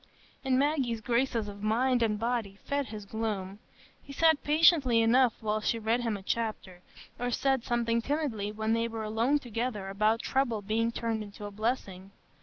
And Maggie's graces of mind and body fed his gloom. He sat patiently enough while she read him a chapter, or said something timidly when they were alone together about trouble being turned into a blessing.